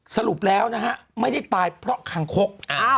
สรุปแล้วนะฮะไม่ได้ตายเพราะคางคก